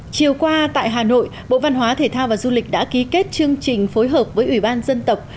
chiều qua tại hà nội bộ văn hóa thể thao và du lịch đã ký kết chương trình phối hợp với ủy ban dân tộc